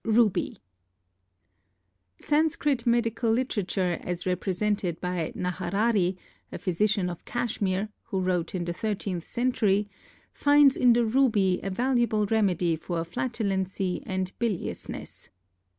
Ruby Sanskrit medical literature as represented by Naharari, a physician of Cashmere, who wrote in the thirteenth century, finds in the ruby a valuable remedy for flatulency and biliousness.